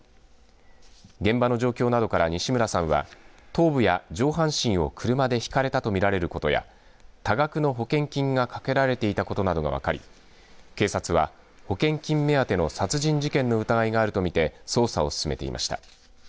現場の状況などから、西村さんは頭部や上半身を車でひかれたとみられることや多額の保険金がかけられていたことなどが分かり警察は保険金目当ての殺人事件の疑いがあるとみて捜査を進めていました。